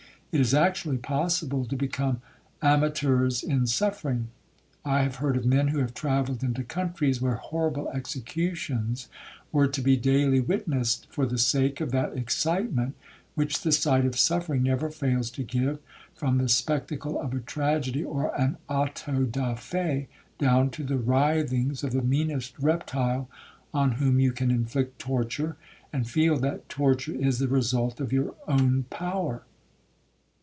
It is actually possible to become amateurs in suffering. I have heard of men who have travelled into countries where horrible executions were to be daily witnessed, for the sake of that excitement which the sight of suffering never fails to give, from the spectacle of a tragedy, or an auto da fe, down to the writhings of the meanest reptile on whom you can inflict torture, and feel that torture is the result of your own power.